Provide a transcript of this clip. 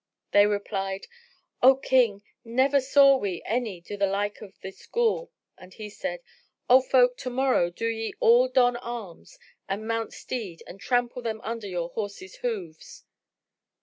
They replied, "O King, never saw we any do the like of this Ghul." And he said, "O folk, to morrow do ye all don arms and mount steed and trample them under your horses' hooves."